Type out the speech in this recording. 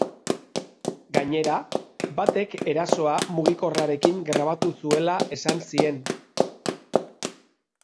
Gainera, batek erasoa mugikorrarekin grabatu zuela esan zien.